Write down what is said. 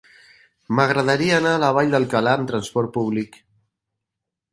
M'agradaria anar a la Vall d'Alcalà amb transport públic.